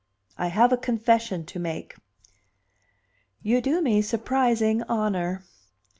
"I have a confession to make." "You do me surprising honor."